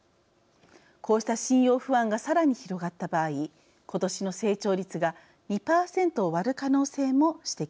こうした信用不安がさらに広がった場合今年の成長率が２％を割る可能性も指摘しています。